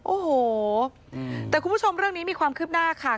โอ้โหแต่คุณผู้ชมเรื่องนี้มีความคืบหน้าค่ะ